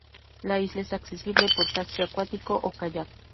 La isla es accesible por taxi acuático o kayak.